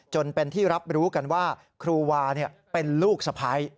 จนเป็นที่รับรู้กันว่าครูวาเป็นลูกสะพ้าย